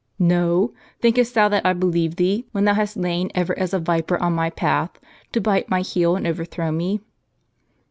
"JSTo? thinkest thou that I believe thee, when thou hast lain ever as a viper on my path, to bite my heel and overthrow me